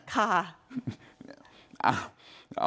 ค่ะ